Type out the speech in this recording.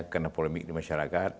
kena polemik di masyarakat